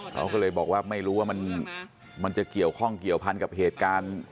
เขาก็เลยบอกว่าไม่รู้ว่ามันจะเกี่ยวข้องเกี่ยวพันกับเหตุการณ์